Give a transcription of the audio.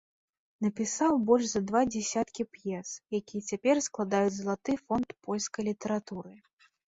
Напісаў больш за два дзясяткі п'ес, якія цяпер складаюць залаты фонд польскай літаратуры.